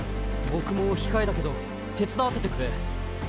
僕も控えだけど手伝わせてくれ。